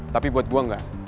tapi buat gue enggak